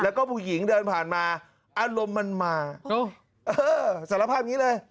แล้วก็ผู้หญิงเดินผ่านมาอารมณ์มันมาเออสารภาพอย่างนี้เลย